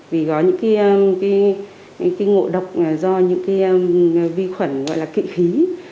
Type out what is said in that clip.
vì có những cái ngộ độc do những vi khuẩn gọi là kỵ khí